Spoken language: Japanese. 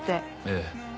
ええ。